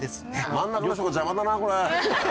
真ん中の人邪魔だなこれ。